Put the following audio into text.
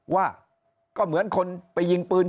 ว่าก็เหมือนคนไปยิงปืน